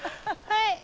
はい。